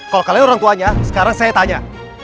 kalau kalian orang tuanya sekarang saya tanya